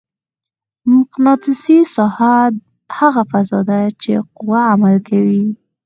مقناطیسي ساحه هغه فضا ده چې قوه عمل کوي.